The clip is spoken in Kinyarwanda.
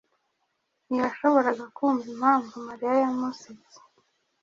ntiyashoboraga kumva impamvu Mariya yamusetse.